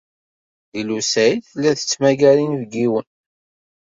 Lila u Saɛid tella tettmagar inebgiwen.